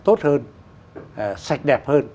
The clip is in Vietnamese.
tốt hơn sạch đẹp hơn